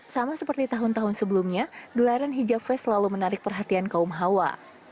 sama seperti tahun tahun sebelumnya gelaran hijab fest selalu menarik perhatian kaum hawa